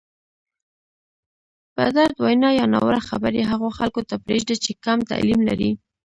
بدرد وینا یا ناوړه خبرې هغو خلکو ته پرېږده چې کم تعلیم لري.